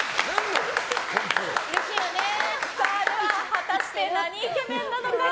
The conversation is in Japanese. では、果たして何イケメンなのか。